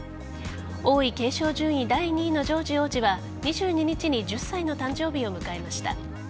王位継承順位第２位のジョージ王子は２２日に１０歳の誕生日を迎えました。